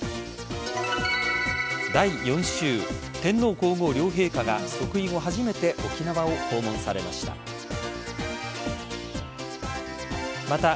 第４週、天皇皇后両陛下が即位後初めて沖縄を訪問されました。